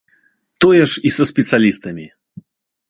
Тое ж і са спецыялістамі.